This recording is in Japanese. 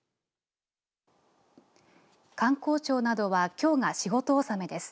観光庁などはきょうが仕事納めです。